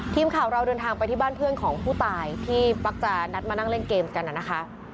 ทีมข่าวเราเดินทางไปที่บ้านเพื่อนของผู้ตายที่มักจะนัดมานั่งเล่นเกมกันนะคะ